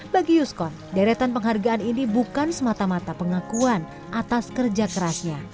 bagi yuskon deretan penghargaan ini bukan semata mata pengakuan atas kerja kerasnya